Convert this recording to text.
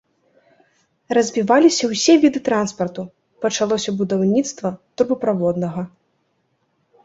Развіваліся ўсе віды транспарту, пачалося будаўніцтва трубаправоднага.